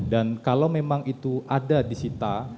dan kalau memang itu ada disita